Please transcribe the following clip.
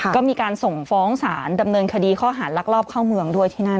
ก็มีการส่งฟ้องศาลดำเนินคดีข้อหารลักลอบเข้าเมืองด้วยที่นั่น